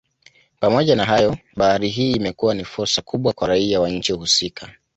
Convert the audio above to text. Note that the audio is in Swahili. Pamoja na hayo bahari hii imekuwa ni fursa kubwa kwa raia wa nchi husika